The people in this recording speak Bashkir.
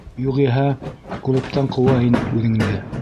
Юғиһә, клубтан ҡыуа инек үҙеңде.